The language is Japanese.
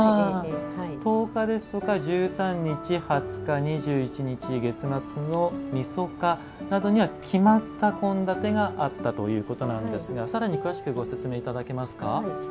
１０日、１３日２０日、２１日月末の晦日などには決まった献立があったということですがさらに詳しくご説明いただけますか？